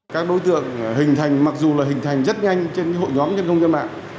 các đối tượng hình thành mặc dù là hình thành rất nhanh trên hội nhóm trên không gian mạng